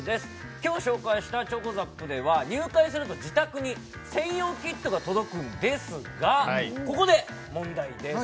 今日紹介したｃｈｏｃｏＺＡＰでは入会すると自宅に専用キットが届くんですがここで問題です